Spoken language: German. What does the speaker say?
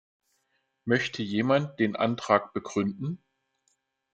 Möchte jemand den Antrag begründen?